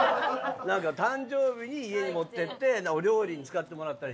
なんか誕生日に家に持っていってお料理に使ってもらったり。